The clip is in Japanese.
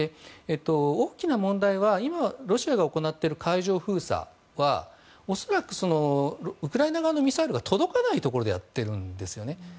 大きな問題は今ロシアが行っている海上封鎖は恐らくウクライナ側のミサイルが届かないところでやっているんですよね。